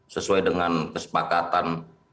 sesuai dengan kesepakatan